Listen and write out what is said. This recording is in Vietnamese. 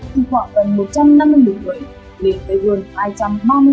thì khoảng gần một trăm năm mươi người lên tới gần hai trăm ba mươi năm người